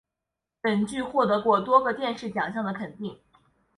本剧获得过多个电视奖项的肯定。